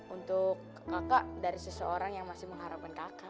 untuk kakak dari seseorang yang masih mengharapkan kakak